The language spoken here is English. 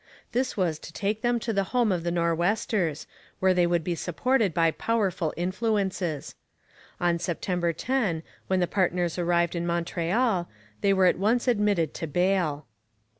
This was to take them to the home of the Nor'westers, where they would be supported by powerful influences. On September 10, when the partners arrived in Montreal, they were at once admitted to bail.